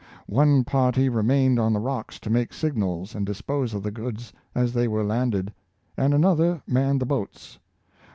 One party remained on the rocks to make signals and dispose of the goods as they were landed; and another manned the boats.